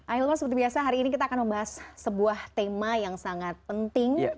ailman seperti biasa hari ini kita akan membahas sebuah tema yang sangat penting